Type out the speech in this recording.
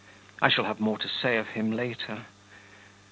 I shall have more to say of him later.